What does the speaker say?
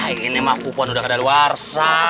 ini mah kupon udah kadaluarsa